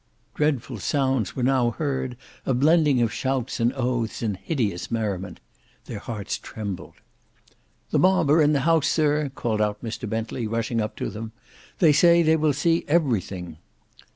Dreadful sounds were now heard; a blending of shouts and oaths and hideous merriment. Their hearts trembled. "The mob are in the house, sir," called out Mr Bentley rushing up to them. "They say they will see everything."